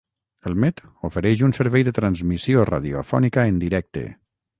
El Met ofereix un servei de transmissió radiofònica en directe.